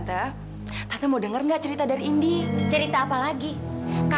eh pak mau ngapain pak